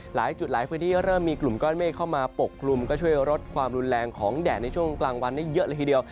หลายจุดหลายพื้นที่เริ่มมีกลุ่มก้อนเมฆเข้ามาปกกลุ่มก็ช่วยลดความรุนแรงของแดดในช่วงกลางวันได้เยอะเลยทีเดียว